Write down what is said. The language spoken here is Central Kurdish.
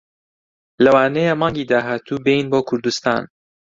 لەوانەیە مانگی داهاتوو بێین بۆ کوردستان.